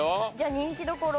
人気どころ。